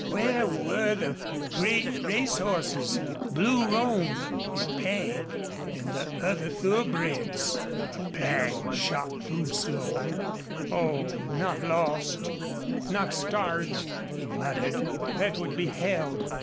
Where were the great race horses Blue Roan and Peg and the other thoroughbreds? A pang shot through Slone. "Oh, not lost not starved?" he muttered. "That would be hell!"